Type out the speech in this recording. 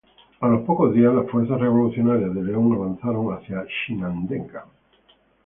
A los pocos días, las fuerzas revolucionarias de León avanzaron hacia Chinandega.